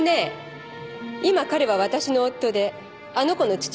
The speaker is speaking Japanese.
今彼は私の夫であの子の父親なの。